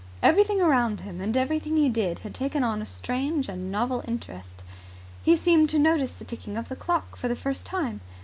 Everything around him and everything he did had taken on a strange and novel interest. He seemed to notice the ticking of the clock for the first time.